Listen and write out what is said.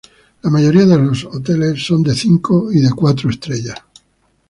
La mayoría de los hoteles son de cinco y cuatro estrellas.